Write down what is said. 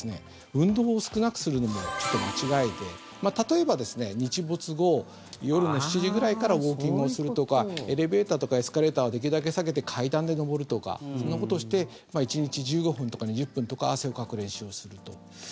運動を少なくするのも間違いで例えば、日没後夜の７時ぐらいからウォーキングをするとかエレベーターとかエスカレーターはできるだけ避けて階段で上るとかそんなことをして１日１５分とか２０分とか汗をかく練習をすると。